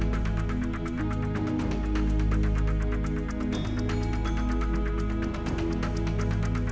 บางละครับพร้อมคุณมาทำด้วยเพื่อการค้ำล่าก่อน